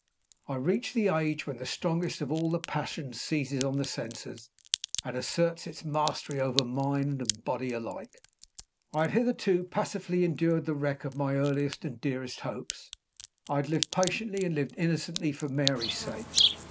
I reached the age when the strongest of all the passions seizes on the senses, and asserts its mastery over mind and body alike. I had hitherto passively endured the wreck of my earliest and dearest hopes: I had lived patiently, and lived innocently, for Mary's sake.